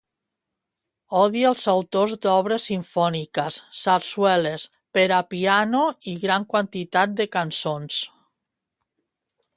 Odia els autors d'obres simfòniques, sarsueles, per a piano i gran quantitat de cançons.